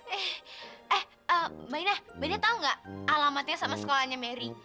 eh eh mbak ina mbak ina tau gak alamatnya sama sekolahnya merry